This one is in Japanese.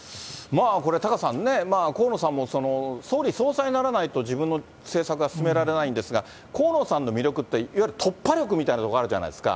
これ、タカさんね、河野さんも総理総裁にならないと自分の政策が進められないんですが、河野さんの魅力っていわゆる突破力みたいなとこあるじゃないですか。